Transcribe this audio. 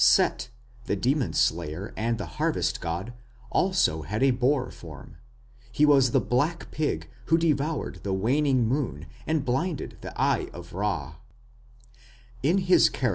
Set, the demon slayer of the harvest god, had also a boar form; he was the black pig who devoured the waning moon and blinded the Eye of Ra.